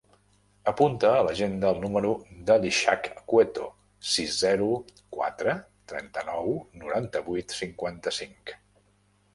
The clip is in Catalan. Apunta a l'agenda el número de l'Ishaq Cueto: sis, zero, quatre, trenta-nou, noranta-vuit, cinquanta-cinc.